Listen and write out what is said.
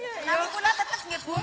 lagi pula tetap gitu bu